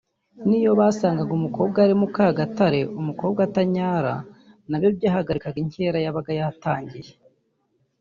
Ni iyo basangaga umukobwa ari mukagatare (umukobwa utanyara) nabyo byahagarikaga inkera yabaga yatangiye